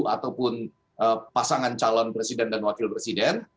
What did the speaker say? ataupun pasangan calon presiden dan wakil presiden